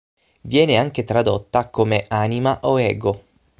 Viene anche tradotta come "anima" o "ego".